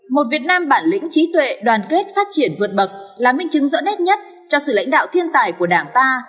một việt nam bản lĩnh trí tuệ đoàn kết phát triển vượt bậc là minh chứng rõ nét nhất cho sự lãnh đạo thiên tài của đảng ta